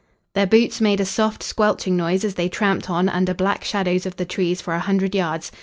Their boots made a soft, squelching noise as they tramped on under black shadows of the trees for a hundred yards.